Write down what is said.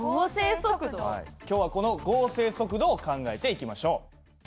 今日はこの合成速度を考えていきましょう。